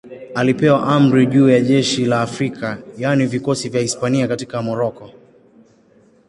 Alipewa amri juu ya jeshi la Afrika, yaani vikosi vya Hispania katika Moroko.